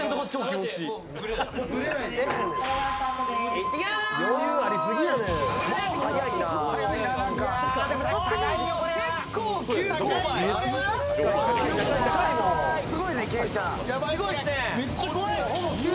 行ってきまーす！